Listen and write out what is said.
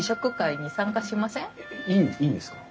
えいいんですか？